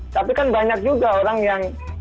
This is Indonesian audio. tapi kan banyak juga orang yang